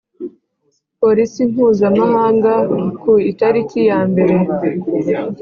Polisi mpuzamahanga ku italiki ya mbere